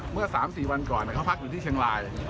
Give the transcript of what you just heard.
เมื่อ๓๔วันก่อนเขาพักอยู่ที่เชียงราย